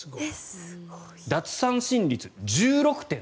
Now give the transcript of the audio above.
奪三振率１６．３６。